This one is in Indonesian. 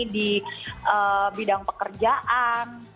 di bidang pekerjaan